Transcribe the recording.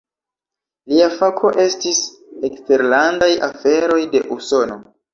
Lia fako estis eksterlandaj aferoj de Usono.